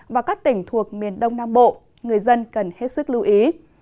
và các tỉnh thuộc miền đông nam bộ người dân cần hết sức lưu ý